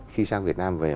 khi sang việt nam về